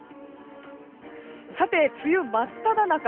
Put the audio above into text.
さて、梅雨真っただ中。